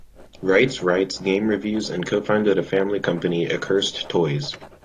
Reitz writes game reviews and co-founded a family company, Accursed Toys.